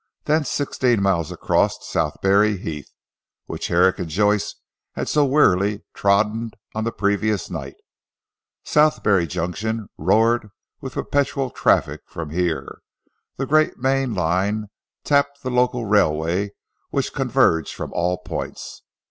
Then sixteen miles across Southberry Heath (which Herrick and Joyce had so wearily trodden on the previous night) Southberry Junction roared with perpetual traffic for here, the great main line tapped the local railways which converged from all points.